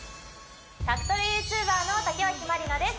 宅トレＹｏｕＴｕｂｅｒの竹脇まりなです